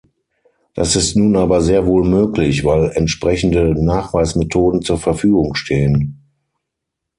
Das ist nun aber sehr wohl möglich, weil entsprechende Nachweismethoden zur Verfügung stehen.